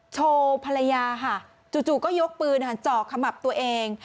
โชว์ภรรยาค่ะจู่ก็ยกปืนเจาะขมับตัวเอง